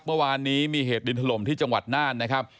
เมื่อวานนี้มีเหตุดินถล่มที่จังหวัดน่านนะครับ